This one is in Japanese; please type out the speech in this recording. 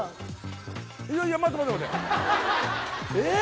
いやいや待って待って待ってえっ！？